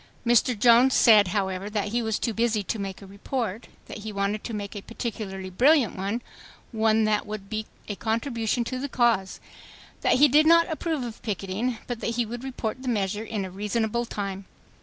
Mr. Jones said, however, that he was too busy to make a report; .that he wanted to make a particularly brilliant one, one that would "be a contribution to the cause"; that he did not approve of picketing, but that he would report the measure "in a reasonable time."